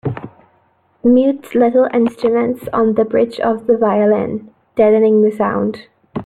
Mutes little instruments on the bridge of the violin, deadening the sound.